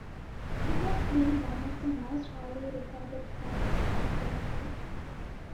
It has been one of the most highly regarded courses at Berkeley.